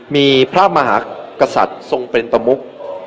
มีพระมหากษัตริย์ทรงเป็นตะมุก